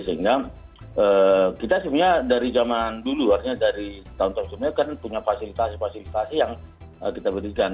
sehingga kita sebenarnya dari zaman dulu artinya dari tahun tahun sebelumnya kan punya fasilitas fasilitasi yang kita berikan